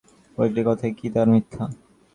প্রতিটি কথাই কি তার মিথ্যা?